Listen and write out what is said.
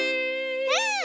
うん！